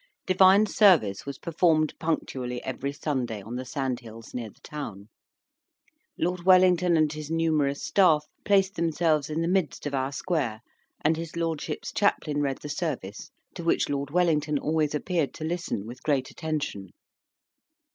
Divine service was performed punctually every Sunday on the sand hills near the town; Lord Wellington and his numerous Staff placed themselves in the midst of our square, and his lordship's chaplain read the service, to which Lord Wellington always appeared to listen with great attention.